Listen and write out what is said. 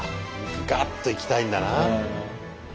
ガッといきたいんだな。